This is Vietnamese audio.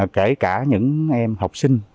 kể cả những em học sinh